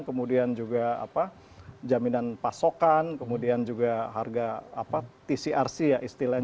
kemudian juga jaminan pasokan kemudian juga harga tcrc ya istilahnya